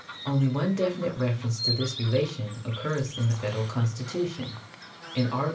Only one definite reference to this relation occurs in the federal constitution. In Art.